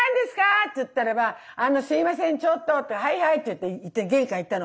っつったらば「あのすいませんちょっと」って「はいはい」って言って玄関行ったの。